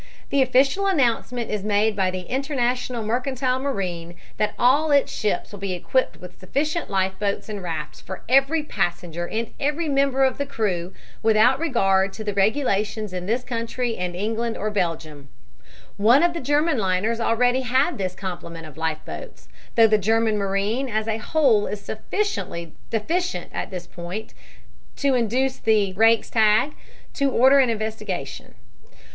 The official announcement is {illust. caption = A diagrammatic map showing how...} made by the International Mercantile Marine that all its ships will be equipped with sufficient life boats and rafts for every passenger and every member of the crew, without regard to the regulations in this country and England or Belgium. One of the German liners already had this complement of life boats, though the German marine as a whole is sufficiently deficient at this point to induce the Reichstag to order an investigation.